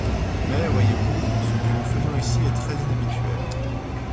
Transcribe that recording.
Mais voyez-vous, ce que nous faisons ici est très inhabituel.